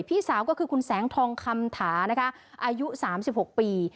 พี่สาวก็คือคุณแสงทองคำถานะคะอายุ๓๖ปี